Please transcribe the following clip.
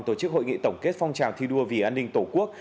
tổ chức hội nghị tổng kết phong trào thi đua vì an ninh tổ quốc